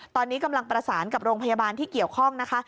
ตอนนี้กำลังประสานกับโรงพยาบาลที่เกี่ยวข้องนะคะ